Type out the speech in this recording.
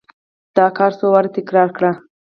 دا کار څو واره تکرار کړئ.